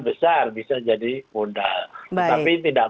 seperti agama yahudi atau itunes